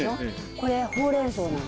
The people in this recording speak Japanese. これほうれん草なの。